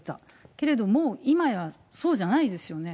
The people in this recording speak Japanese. けれども、今やそうじゃないですよね。